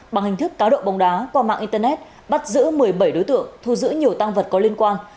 bằng hình thức cá độ bóng đá qua mạng internet bắt giữ một mươi bảy đối tượng thu giữ nhiều tăng vật có liên quan